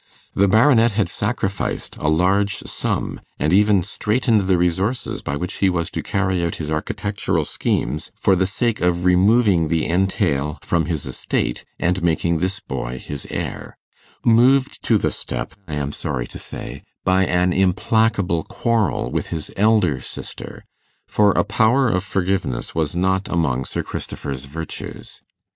The Baronet had sacrificed a large sum, and even straitened the resources by which he was to carry out his architectural schemes, for the sake of removing the entail from his estate, and making this boy his heir moved to the step, I am sorry to say, by an implacable quarrel with his elder sister; for a power of forgiveness was not among Sir Christopher's virtues.